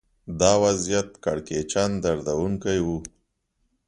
دا وضعیت کړکېچن دردونکی و